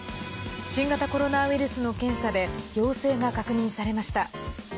新型コロナウイルスの検査で陽性が確認されました。